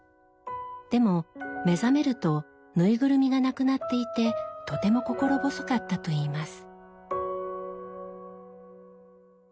でも目覚めるとぬいぐるみがなくなっていてとても心細かったといいます。